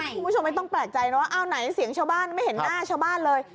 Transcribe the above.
คุณผู้ชมไม่ต้องแปลกใจนะว่าอ้าวไหนเสียงชาวบ้านไม่เห็นหน้าชาวบ้านเลย